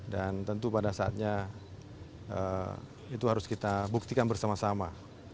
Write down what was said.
dan tentu pada saatnya itu harus kita buktikan bersama sama